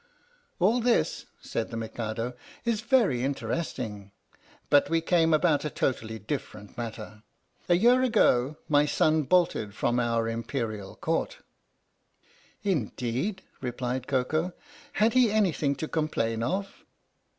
"All this," said the Mikado, "is very interesting, but we came about a totally different matter. A year ago my son bolted from our Imperial Court." "Indeed?" replied Koko. "Had he anything to complain of?